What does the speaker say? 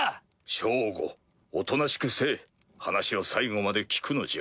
ショウゴおとなしくせい話を最後まで聞くのじゃ。